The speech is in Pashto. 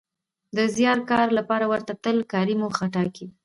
د زیات کار لپاره ورته تل کاري موخه ټاکي.